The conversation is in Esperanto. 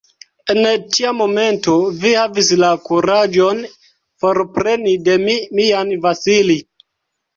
En tia momento vi havis la kuraĝon forpreni de mi mian Vasili!